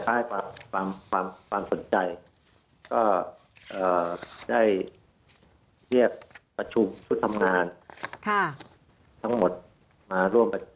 ให้ความสนใจก็ได้เรียกประชุมชุดทำงานทั้งหมดมาร่วมประชุม